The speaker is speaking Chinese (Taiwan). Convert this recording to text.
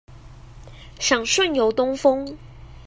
想順遊東峰